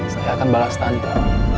saya akan balas tante